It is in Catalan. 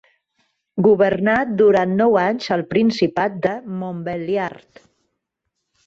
Governà durant nou anys el principat de Montbéliard.